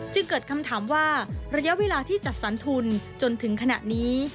เกิดคำถามว่าระยะเวลาที่จัดสรรทุนจนถึงขณะนี้